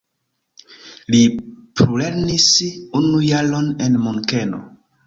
Li plulernis unu jaron en Munkeno.